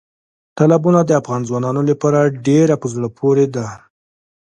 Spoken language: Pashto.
تالابونه د افغان ځوانانو لپاره ډېره په زړه پورې دي.